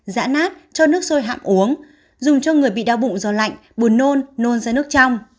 giã nát cho nước sôi hạm uống dùng cho người bị đau bụng do lạnh bùn nôn nôn ra nước trong